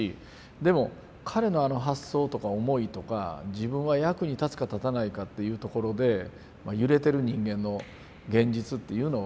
でも彼のあの発想とか思いとか自分は役に立つか立たないかというところで揺れてる人間の現実っていうのは